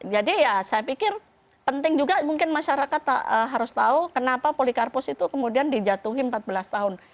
jadi ya saya pikir penting juga mungkin masyarakat harus tahu kenapa polikarpus itu kemudian dijatuhi empat belas tahun